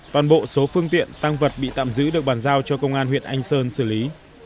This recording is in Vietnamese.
toàn bộ số phương tiện tăng vật bị tạm giữ được bàn giao cho công an huyện anh sơn xử lý